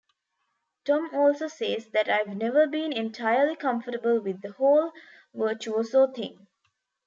Tom also says that I've never been entirely comfortable with the whole virtuoso thing.